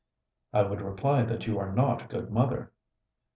"I would reply that you are not a good mother."